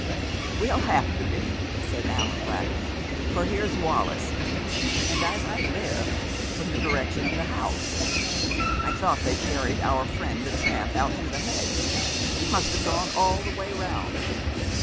"We'll have to be," said Allan, laughing, "for here's Wallis, and, as I live, from the direction of the house. I thought they carried our friend the tramp out through the hedge he must have gone all the way around."